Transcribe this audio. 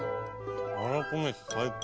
はらこ飯最高。